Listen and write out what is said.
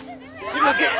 すいません